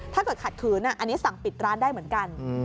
ถ้าเกิดขัดขืนอันนี้สั่งปิดร้านได้เหมือนกัน